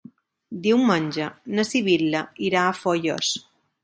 Diumenge na Sibil·la irà a Foios.